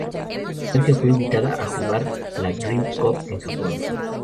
Francia fue invitada a jugar la Dream Cup en Japón.